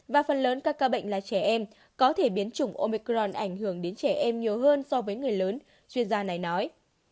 và phần lớn các ca bệnh là trẻ em có thể biến chủng omicron ảnh hưởng đến trẻ em nhiều hơn so với người lớn chuyên gia này nói